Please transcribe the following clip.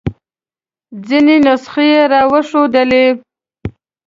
ځینې نسخې یې را وښودلې.